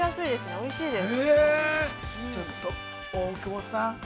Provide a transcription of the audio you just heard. おいしいです。